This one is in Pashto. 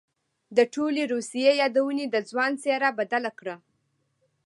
د ټولې روسيې يادونې د ځوان څېره بدله کړه.